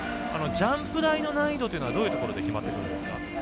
ジャンプ台の難易度というのはどういうところで決まってくるんですか？